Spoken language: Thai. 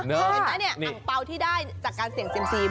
เห็นไหมเนี่ยอังเปล่าที่ได้จากการเสี่ยงเซียมซี